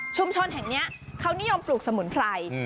ชุมชนแห่งเนี้ยเขานิยมปลูกสมุนไพรอืม